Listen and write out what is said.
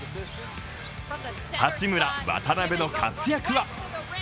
八村・渡邊の活躍は？